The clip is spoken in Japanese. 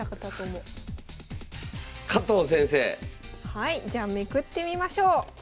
はいじゃあめくってみましょう！